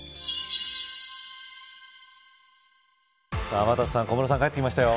天達さん小室さん帰ってきましたよ。